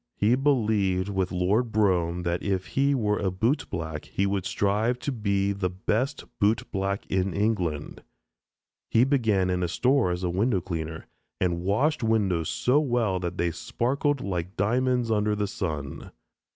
He believed with Lord Brougham, that if he were a bootblack he would strive to be the best bootblack in England. He began in a store as a window cleaner, and washed windows so well that they sparkled like diamonds under the sun.